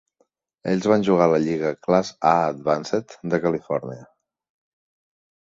Ells van jugar a la Lliga Class A-Advanced de Califòrnia.